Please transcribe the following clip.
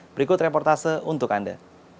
berikut reportase untuk anda